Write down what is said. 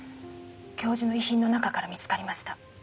教授の遺品の中から見つかりました。